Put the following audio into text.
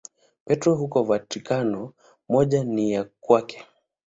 Petro huko Vatikano, moja ni ya kwake.